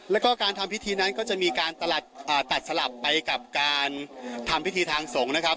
แล้วก็การทำพิธีนั้นก็จะมีการตัดสลับไปกับการทำพิธีทางสงฆ์นะครับ